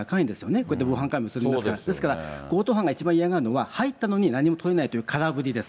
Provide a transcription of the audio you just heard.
こうやって防犯カメラに写りますから、強盗犯が一番嫌がるのが、入ったのに何もとれないという空振りです。